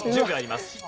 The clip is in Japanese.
１０秒あります。